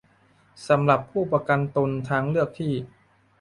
สำหรับผู้ประกันตนทางเลือกที่